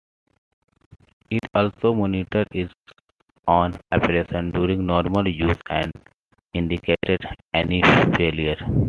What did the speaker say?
It also monitors its own operation during normal use and indicates any failures.